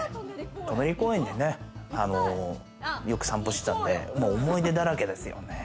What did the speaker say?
舎人公園でよく散歩してたんで思い出だらけですよね。